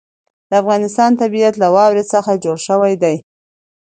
د افغانستان طبیعت له واورو څخه جوړ شوی دی.